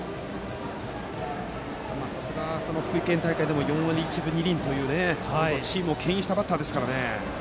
さすが福井県大会でも４割１分２厘と、チームをけん引したバッターですね。